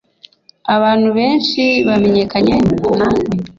abantu benshi bamenyekanye na we